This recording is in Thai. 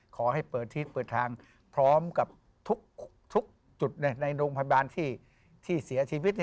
ขอให้เปิดที่เปิดทางพร้อมกับทุกจุดในโรงพยาบาลที่เสียชีวิต